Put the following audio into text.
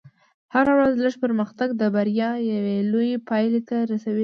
هره ورځ لږ پرمختګ د بریا یوې لوېې پایلې ته رسوي.